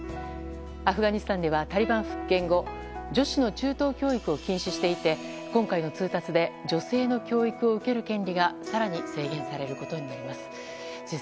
アフガニスタンではタリバン復権後女子の中等教育を禁止していて今回の通達で女性の教育を受ける権利が更に制限されることになります。